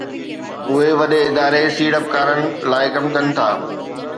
اهي وڏي اداري سيڙپڪارن لاءِ ڪم ڪن ٿا